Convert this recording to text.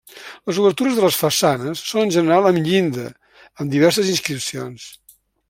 Les obertures de les façanes són en general amb llinda, amb diverses inscripcions.